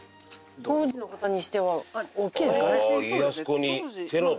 当時の方にしては大きいですかね。